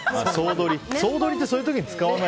総撮りってそういう時に使わない。